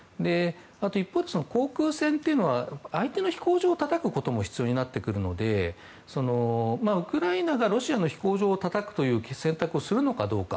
一方で航空戦というのは相手の飛行場をたたくことも必要になってくるのでウクライナがロシアの飛行場をたたくという選択をするのか。